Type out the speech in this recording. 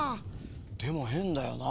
でもへんだよな。